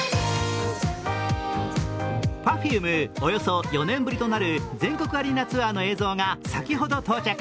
およそ４年ぶりとなる全国アリーナツアーの映像が先ほど到着。